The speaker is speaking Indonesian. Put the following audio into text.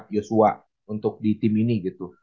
yosua untuk di tim ini gitu